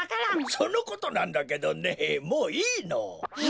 そのことなんだけどねもういいの。え？